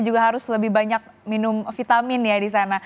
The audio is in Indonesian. jadi harus lebih banyak minum vitamin ya di sana